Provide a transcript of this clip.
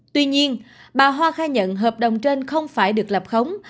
tuy nhiên bà hoa khai nhận hợp đồng trên không phải được lập khống